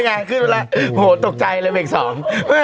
ว่าไงขึ้นไปแล้วโหตกใจแล้วอีกสอง